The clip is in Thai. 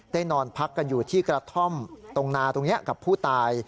นอนพักกันอยู่ที่กระท่อมตรงนาตรงนี้กับผู้ตาย